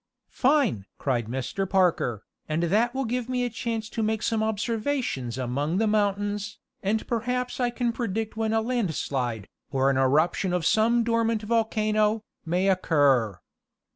"Fine!" cried Mr. Parker, "and that will give me a chance to make some observations among the mountains, and perhaps I can predict when a landslide, or an eruption of some dormant volcano, may occur."